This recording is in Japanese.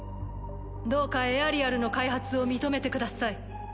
どうかエアリアルの開発を認めてください。